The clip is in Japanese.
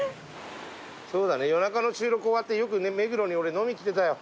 そうだね夜中の収録終わってよくね目黒に俺飲み来てたよ。